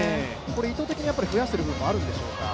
意図的に増やしているところはあるんでしょうか。